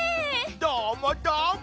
どーもどーも。